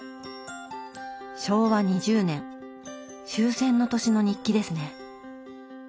昭和２０年終戦の年の日記ですね。